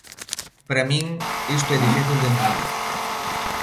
Para min isto é difícil de entender.